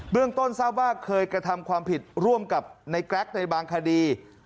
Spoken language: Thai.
เรื่องต้นทราบว่าเคยกระทำความผิดร่วมกับในแกรกในบางคดี